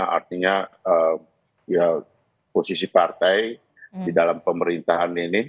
artinya posisi partai di dalam pemerintahan ini